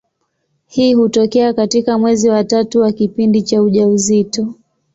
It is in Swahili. Hii hutokea katika mwezi wa tatu wa kipindi cha ujauzito.